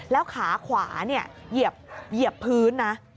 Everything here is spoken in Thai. แล้วขาขวาเนี่ยเหยียบพื้นนะ